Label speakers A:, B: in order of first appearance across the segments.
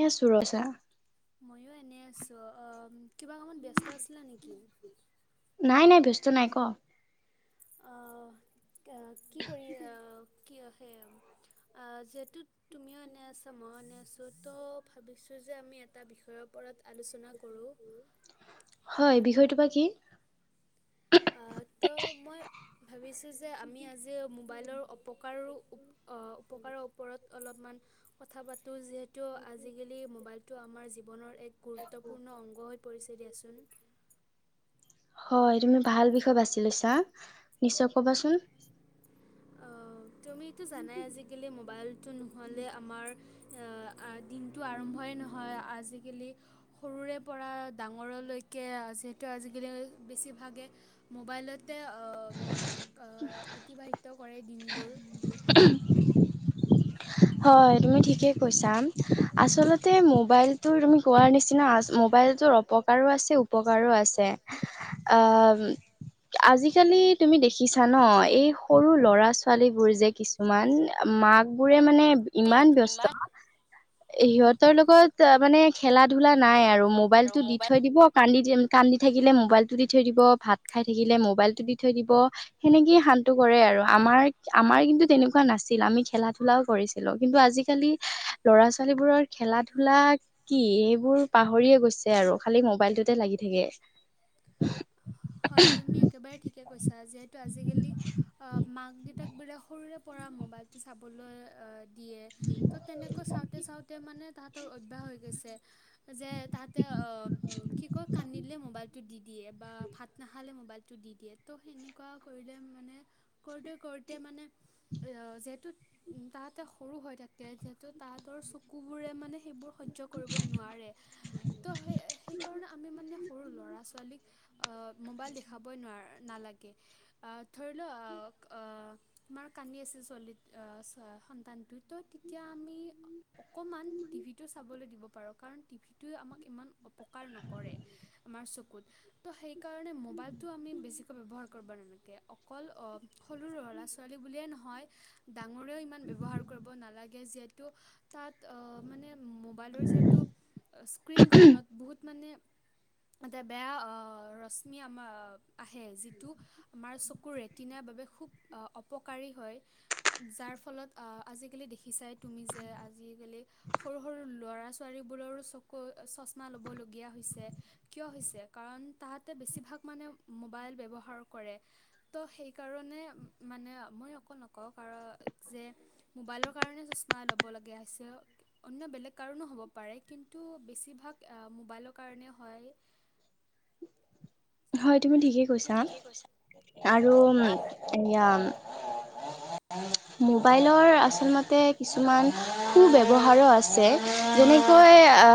A: এনে আছোঁ ৰ, কি কৰিছা
B: ময়ো এনে আছো কিবা কামত ব্যস্ত আছিলা নেকি?
A: নাই নাই ব্যস্ত নাই ক
B: আহ কি কৰি আহ কি সে অ যিহেতু তুমিও এনে আছা মইও এনে আছোঁ ত' ভাবিছোঁ যে আমি এটা বিষয়ৰ ওপৰত আলোচনা কৰোঁ।
A: উম
B: অহ, তো
A: উমহ
B: মই ভাবিছোঁ যে আমি আজি মোবাইলৰ অপকাৰো উ অ উপকাৰৰ ওপৰত অলপমান কথা পাতো যিহেতু আজিকালি মোবাইলটো আমাৰ জীৱনৰ এক গুৰুত্বপূৰ্ণ অংগ হৈ পৰিছে দিয়াচোন।
A: হয় তুমি ভাল বিষয়ে বাছি লৈছা নিশ্চয় ক'বাচোন।
B: অ তুমিটো জানাই আজিকালি মোবাইলটো নহ'লে আমাৰ, এ আ দিনটো আৰম্ভই নহয় আজিকালি সৰুৰে পৰা ডাঙৰলৈকে যিহেতু আজিকালি বেছিভাগে মোবাইলত তে অ উম অ অতিবাহিত কৰে দিনবোৰ
A: উমহ হয় তুমি ঠিকে কৈছা, আচলতে মোবাইলটো তুমি কোৱাৰ নিচিনা আছ মোবা মোবাইলটো অপকাৰো আছে উপকাৰো আছে। আ ম আজিকালি তুমি দেখিছা ন এই সৰু ল'ৰা- ছোৱালীবোৰ যে কিছুমান মাক বোৰে মা ইমান ব্যস্ত, সিহঁতৰ লগত মানে খেলা -ধূলা নাই আৰু মোবাইলটো দি থৈ দিব কান্দি -কান্দি থাকিলে মোবাইলটো দি থৈ দিব ভাত খাই থাকিলে মোবাইলটো দি থৈ দিব, সেনেকে হা ইটো কৰে আৰু আমাৰ, আমাৰ কিন্তু তেনেকুৱা নাছিল, আমি খেলা ধূলাও কৰিছিলো কিন্তু আজিকালি ল'ৰা- ছোৱালীবোৰৰ খেলা- ধূলা কি এইবোৰ পাহৰি গৈছে আৰু খালি মোবাইলটোতে লাগি থাকে।
B: হয় তুমি একেবাৰে ঠিকেই কৈছা, যিহেতু আজিকালি অ মাক -দেউতাকবিলাক সৰুৰে পৰা মোবাইলটো চাবলৈ দিয়ে, ত তেনেকৈ চাওঁতে -চাওঁতে মানে তাহাঁতৰ অভ্যাস হৈ গৈছে যে, তাহাঁতে অ কি কয় কান্দিলে মোবাইলটো দি দিয়ে বা ভাত নাখালে মোবাইলটো দি দিয়ে ত সেনেকোৱা কৰিলে মানে কৰোঁতে কৰোঁতে মানে এইটোত তাহাতে সৰু হৈ থাকে, যিহেতু তাঁহাতৰ চকুবোৰে মানে সেইবোৰ সহ্য কৰিব নোৱাৰে ত' সেই- সেইকাৰণে আমি মানে সৰু ল'ৰা- ছোৱালীক আহ মোবাইল দেখাবই নোৱাৰে নালাগে, ধৰি লোৱা
A: উম
B: আমাৰ কান্দি আছিল ছোৱালি আ ছো সন্তানটো তেতিয়া আমি, অকণমান টিভিটো চাবলৈ দিব পাৰো। কাৰণ টিভিটোৱে আমাক ইমান অপকাৰ নকৰে আমাৰ চকুত সেইকাৰণে মোবাইলটো আমি বেছিকৈ ব্যৱহাৰ কৰিব নালাকে, অকল সৰু ল'ৰা- ছোৱালী বুলিয়ে নহয় হয় ডাঙৰেও ইমান ব্যৱহাৰ কৰিব নালাগে। যিহে তাত অ মানে মোবাইলৰ যিহেতু স্ক্ৰীণখনত বহুত মানে এতে বেয়া অ ৰ ৰশ্মি আমাৰ আহে যিটো আমাৰ চকু ৰেটিনাৰ বাবে খুব অপকাৰী হয়। যাৰ ফলত আজিকালি দেখিছাই তুমি যে আজিকালি সৰু -সৰু লৰা- ছোৱালীবোৰৰো চকু চছমা লব লগীয়া হৈছে কিয় হৈছে কাৰণ তাত বেছিভাগ মানে মবাইল ব্যৱহাৰ কৰে, ত সেইকাৰণে মানে নক কাৰণ যে মোবাইলৰ কাৰণে চছমা লব লগা হৈছে, অন্য বেলেগ কাৰণ হ'ব পাৰে কিন্তু বেছিভাগ মোবাইলৰ কাৰণে হয়।
A: [inaudible] হয় তুমি ঠিকেই
B: তুমি
A: কৈছা
B: ঠিকেই কৈছা।
A: আৰু এয়া অ [unintelligible] মোবাইলৰ আচলতে কিছুমান সু ব্যৱহাৰো আছে যেনে বই আ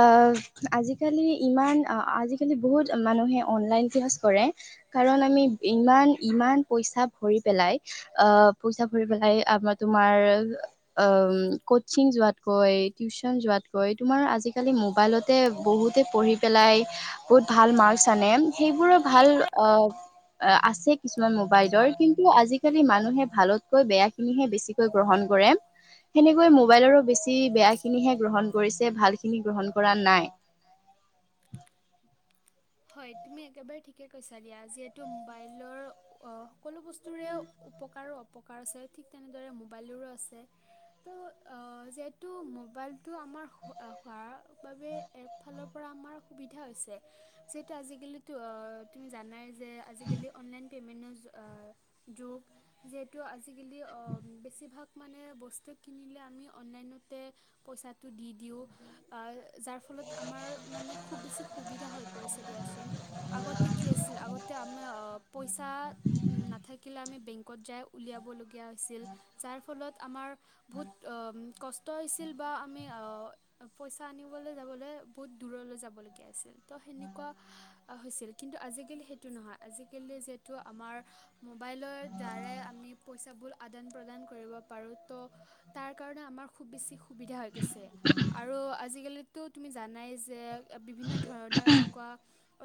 A: আজিকালি ইমান আজিকালি বহুত মানুহে অনলাইন জেৰেক্স কৰে কাৰণ আমি ইমান ইমান পইচা ভৰি পেলাই আ পইচা ৰি পেলাই আমাৰ তোমাৰ অ কচিং যোৱাতকৈ টিউচন যোৱাতকৈ তোমাৰ আজিকালি মোবাইলতে বহুতে পঢ়ি পেলাই বহুত ভাল মাৰ্কচ আনে সেইবোৰৰ ভাল
B: সেইবোৰৰ
A: অ আছে কিছুমান মোবাইলৰ
B: কিছুমান
A: কিন্তু আজিকালি মানুহে ভালতকৈ বেয়াখিনিহে বেছিকৈ গ্ৰহণ কৰে সেনেকৈ মোবাইলৰো বেছি বেয়াখিনিহে গ্ৰহণ কৰিছে ভালখিনি গ্ৰহণ কৰা নাই [inaudible]
B: হয় তুমি একেবাৰে ঠিকে কৈছা দিয়া যিহেতু মোবাইলৰ অ সকলো বস্তুৰে উপকাৰো উপকাৰ আছে ঠিক তেনেদৰে মোবাইলৰো আছে, ত আ যিহেতু মোবাইল তটো আমাৰ হো -হোৱাৰ বাবে একফালৰ পৰা আমাৰ সুবিধা হৈছে যিহেতু আজিকালিতো অ তুমি জানাই যে আজিকালি অনলাইন পে'মেণ্টৰ যুগ যিহেতু আজিকালি বেছিভাগ- মানে বস্তু কিনিলে আমি অনলাইনতে পইচাটো দি দিওঁ যাৰ- ফলত আমাৰ মানে খুব বেছি সুবিধা হয় পৰিছে দিয়া চোন আগতে কি আ‍ছিলে আগতে আমি পইচা নাথাকিলে আমি বেংকত যাই উলিয়াব লগা হৈছিল যাৰ ফলত আমাৰ বহুত অহ কষ্ট হৈছিল। বা আমি অ পইচা আনিবলৈ যাবলৈ বহুত দূৰলৈ যাবলগীয়া আছিল ত সেনে এনেকুৱা হৈছিল কিন্তু আজিকালি সেইটো নহয় আজিকালি যিহেতু আমাৰ মোবাইলত- যাৰে আমি পইচাবোৰ আদান প্ৰদান কৰিব পাৰোঁ তো তাৰ কাৰণে আমাৰ খুব বেছি- সুবিধা হৈ গৈছে আৰু আজিকালিতো তুমি জানাই যে বিভিন্ন ধৰণৰ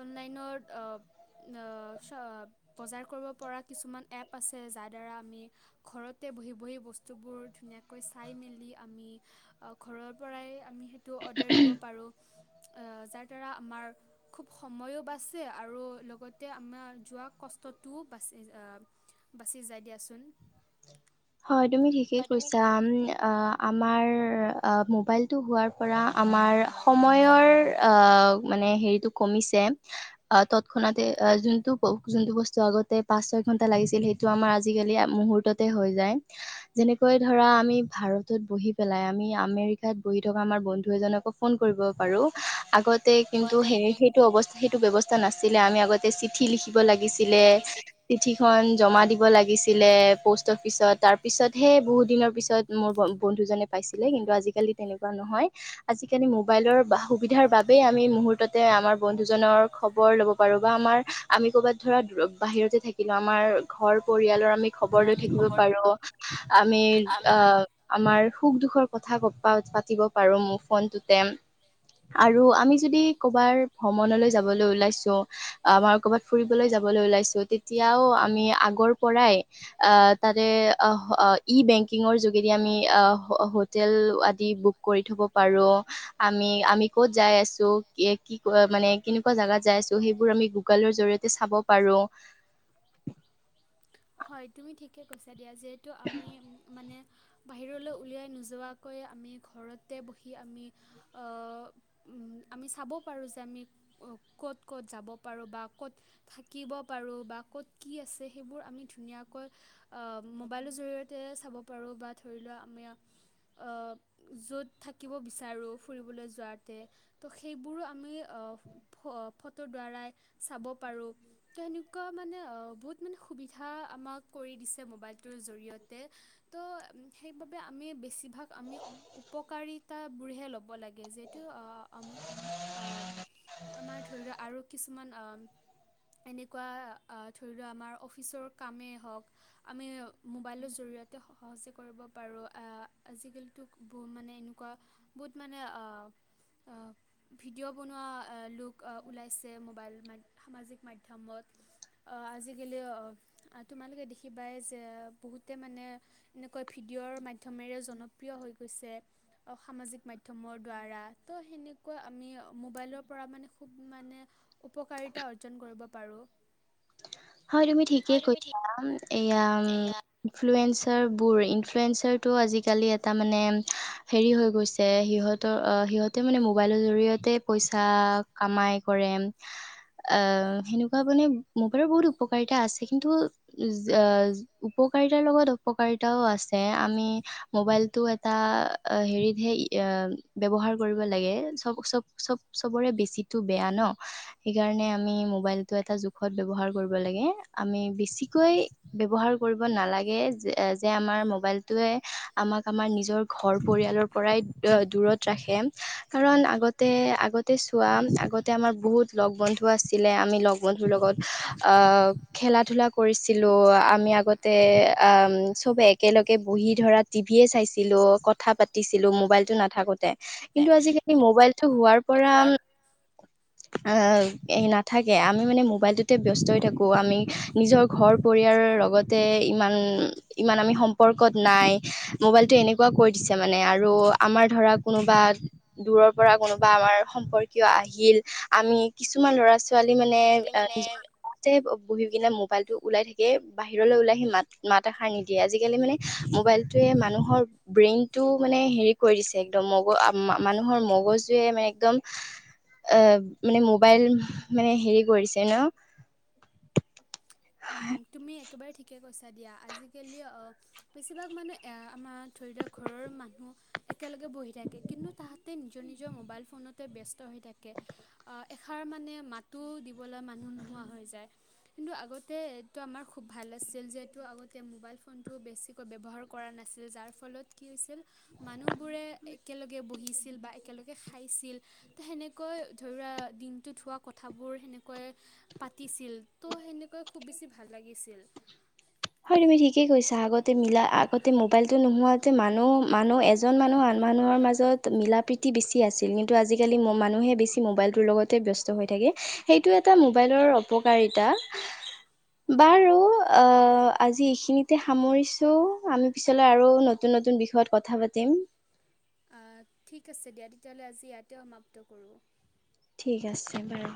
B: অনলাইনৰ আহ চ বজাৰ কৰিব পৰা কিছুমান এপ আছে যাৰ দ্বাৰা আমি ঘৰতে বহি বহি বস্তুবোৰ ধুনীয়াকৈ চাই মেলি আমি ঘৰৰ পৰাই আমি সেইটো- অদাৰ দিব পাৰোঁ যাৰ দ্বাৰা আমাৰ খুব সময়ো বাচে আৰু লগতে আমাৰ যোৱা কষ্টতটোও বাচি আহ বাচি যায় দিয়াচোন
A: হয় তুমি ঠিকেই
B: হয় তুমি
A: কৈছা
B: ঠিক
A: আমাৰ মোবাইলটো হোৱাৰ পৰা আমাৰ সময়ৰ আ- মানে হেৰিটো কমিছে- অ তৎক্ষণাতে যোনটো ব যোনটো বস্তু আগতে পাঁচ ছয় ঘন্টা লাগিছিল সেইটো আমাৰ আজিকালি- এয়া মূহুৰ্ততে হৈ যায় যেনেকৈ ধৰা আমি ভাৰতত বহি পেলাই আমি আমেৰিকা - এঠাইত বহি থকা আমাৰ বন্ধু এজনকো ফোন কৰিব পাৰো আগত- কিন্তু
B: আগতে
A: স
B: কিন্তু
A: সেইটো অৱস্থা সেইটো ব্যৱস্থা নাছিলে আমি আগতে চিঠি লিখি- দিব লাগিছিলে
B: লাগিছিল
A: চিঠিখন- জমা দিব লাগিছিলে প'ষ্ট অফিচত তাৰ পিছতহে বহুত দিনৰ পিছত মোৰ বন্ধুজনে পায় পাইছিলে কিন্তু আজি কালি তেনেকুৱা নহয় আজি কালি মোবাইলৰ সুবিধা বাবে আমি মূহুৰ্ততে আমাৰ বন্ধু - জনৰ খবৰ ল'ব পাৰো বা আমাৰ আমি ক'ৰবাত ধৰা বাহিৰতে থাকিলো আমাৰ ঘৰ পৰিয়ালৰ আমি- খবৰ লৈ
B: আমি
A: থাকিব
B: খবৰ
A: পাৰো আমি আহ আমাৰ সুখ দুখৰ কথা পাতিব পাৰো মোৰ ফোনটোতে আৰু আমি যদি কৰ'বাৰ ভ্ৰমণলৈ যাবলৈ ওলাইছো আমাৰ কৰ'বাত ফুৰিবলৈ যাবলৈ ওলাইছো তেতিয়াও আমি আগ পৰাই আ তাতে এ ই বেংকিংৰ যোগেদি আমি আ আহ হোটেল আদি বুক কৰি থব পাৰো আমি আমি ক'ত যাই আছো কি মানে কেনেকুৱা জাগাত যাই আছো সেইবোৰ আমি গুগলৰ জৰিয়তে চাব পাৰো [inaudible]
B: হয় তুমি ঠিকে কৈছা দিয়া যিহেতু আমি উ মানে বাহিৰলৈ উলিয়াই নোযোৱাকৈ আমি ঘৰতে বহি আমি আহ আমি চাব পাৰোঁ যে আমি ক'ত ক'ত যাব পাৰোঁ বা ক'ত থাকিব পাৰোঁ বা ক'ত কি আছে সেইবোৰ আমি ধুনীয়াকৈ আ মোবাইলৰ জৰিয়তে যাব পাৰো‌ বা ধৰি লোৱা আমি আ য'ত থাকিব বিচাৰো, ফুৰিবলৈ যোৱা তে সেইবোৰো আমি আহ ফটো দ্বাৰাই চাব পাৰো তেনেকুৱা মানে অ বহুত মানে সুবিধা শিক্ষা আমাক কৰি দিছে মোবাইলটোৰ জৰিয়তে তো সেইবাবে আমি বেছিভাগ আমি উপকাৰিতাবোৰহে ল'ব লাগে যিহেতু আমি
A: [unintelligible]
B: আমাৰ ধৰি লোৱা আৰু কিছুমান এনেকুৱা ধৰি লোৱা আমাৰ অফিচৰ কামেই হওঁক আমি মোবাইলৰ জৰিয়তে সহজে কৰিব পাৰো আজিকালি টোক বোৰ মানে এনেকুৱা বত মানে ভিডিঅ' বনোৱা লোক ওলাইছে মোবাইল মানে সামাজিক মাধ্যমত অহ আজিকালি অহ তোমালোকে দেখিবাই যে বহুতে মানে এনেকৈ ভিডিঅৰ মাধ মাধ্যমেৰে জনপ্ৰিয় হৈ গৈছে সামাজিক মাধ্যমৰ দ্বাৰা ত' সেনেকুৱা আমি মোবাইলৰ পৰা মানে খুব মানে উপকাৰিতা অৰ্জন কৰিব পাৰো।
A: তুমি ঠিকেই [unintelligible] এয়া উম
B: এয়া
A: ইনফ্লো ইনফ্লুৱেঞ্জাৰবোৰ ইনফ্লুৱেঞ্জাৰ টো আজিকালি এটা মানে হেৰি হৈগৈছে সিহঁতৰ সিহঁতে মানে মোবাইলৰ জৰিয়তে পইচা কামাই কৰে অ' সেনেকুৱা মানে মুবাইলৰ বহুটো উপকাৰিতা আছে কিন্তু উপকাৰিতাৰ লগত অপকাৰিতাও আছে আমি মবাইলটো এটা হেৰিতহে ব্যৱহাৰ কৰিব লাগে চব- চব চব- চব চবৰে বেছিটো বেয়া ন' সেইকাৰণে আমি মোবাইলটো এটা জোখত ব্যৱহাৰ কৰিব লাগে আমি বেছিকৈ ব্যৱহাৰ কৰিব নালাগে যে আমাৰ মোবাইলটো টোৱে আমাক আমাৰ নিজৰ ঘৰ পৰিয়ালৰ পৰাই দূৰত ৰাখে কাৰন আগত তে আগতে চোৱা আগতে আমাৰ বহুত লগ- বন্ধু আছিলে আমি লগ -বন্ধুৰ লগত অ'খেলা -ধূলা কৰিছিলোঁ আমি আগতে অম চবে একেলগে বুহি হি ধৰা টিভিয়ে চাইছিলো কথা পাতিছিলো মোবাইলটো নাথাকো কিন্তু আজিকালি মোবাইলটো হোৱাৰ পৰা অ' এই নাথাকে আমি মানে মোবাইলটোতে ব্যস্ত হৈ থাকোঁ আমি নিজৰ ঘৰ পৰিয়ালৰ লগতে ইমান- ইমান আমি সম্পৰ্ক কৰ্ত নাই মোবাইলটো এনেকুৱা কৰি দিছে মানে আৰু আমাৰ ধৰা কোনোবা দূৰৰ পৰা ধৰা কোনোবা আমাৰ সম্পৰ্কীয় আহিল আমি কিছুমান ল'ৰা- ছোৱালী মানে নিজৰ তে বহি কিনে মোবাইলটো ওলাই থাকে বাহিৰলৈ ওলাই আহি মাত- মাত এষাৰ নিদিয়ে আজিকালি মানে মোবাইলটোৱে মানুহৰ ব্ৰেইনটো মানে হেৰি কৰি দিছে একদম মগজ মানুহৰ মগজুৱে মে একদম অ' মানে মোবাইল মানে হেৰি কৰিছে ন'
B: উম, তুমি একেবাৰে ঠিকে কৈছা দিয়া আজিকালি অহ বেছিভাগ মানুহ এ আমাৰ ধৰি লোৱা ঘৰৰ মানুহ একলগে বহি থাকে কিন্তু তাহাতে নিজৰ- নিজৰ মোবাইল ফোনতে ব্যস্ত হৈ থাকে অহ এষাৰ মানে মাতো দিবলৈ মানুহ নোহোৱা হৈ যায় কিন্তু আগত তে এইটো আমাৰ খুব ভাল আছিল যিহেতু আগতে মোবাইল ফোনটো বেছিকৈ ব্যৱহাৰ কৰা নাছিল যাৰ ফল- ফলত কি হৈছিল মানুহবোৰে একেলগে বহিছিল বা একেলগে খাইছিল তে হেনে কৈ ধৰি ৰুৱা দিনটোত হোৱা কথাবোৰ সেনেকৈ পাতিছিল ত' সেনে কৈ খুব বেছি ভাল লাগিছিল।
A: হয় তুমি ঠিকেই কৈছা আগতে মিলা আগতে মবাইলতটো নোহোৱাতে মানুহ-মানুহ এজন মানুহ আন মানুহৰ মাজত মিলা প্ৰীতি বেছি আছিল কিন্তু আজিকালি ম-মানুহে বেছি মোবাইলটোৰ লগতে ব্যস্ত হৈ থাকে। সেইটো এটা মোবাইলৰ অপকাৰীতা বাৰু আ আজি ইখিনিতে সামৰিছো আমি পিছলৈ আৰু নতুন -নতুন বিষয়ত কথা পাতিম [inaudible]
B: আহ, ঠিক আছে দিয়া তেতিয়াহ'লে আজি ইয়াতে সমাপ্ত কৰোঁ।
A: ঠিক আছে বাৰু।